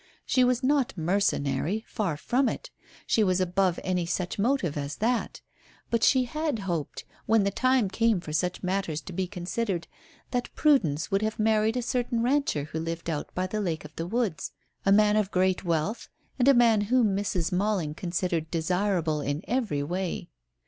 She was not mercenary, far from it, she was above any such motive as that, but she had hoped, when the time came for such matters to be considered, that Prudence would have married a certain rancher who lived out by the Lake of the Woods, a man of great wealth, and a man whom Mrs. Malling considered desirable in every way.